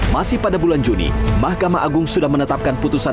masih pada bulan juni mahkamah agung sudah menetapkan putusan